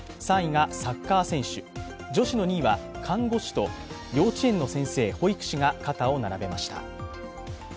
３位がサッカー選手、女子の２位は看護師と幼稚園の先生・保育士が肩を並べました。